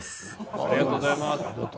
ありがとうございます。